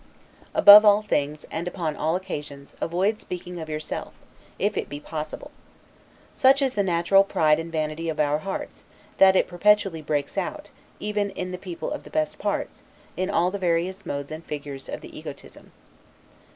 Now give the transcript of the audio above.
Above all things, and upon all occasions, avoid speaking of yourself, if it be possible. Such is the natural pride and vanity of our hearts, that it perpetually breaks out, even in people of the best parts, in all the various modes and figures of the egotism.